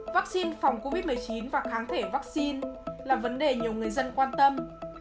vắc xin phòng covid một mươi chín và kháng thể vắc xin là vấn đề nhiều người dân quan tâm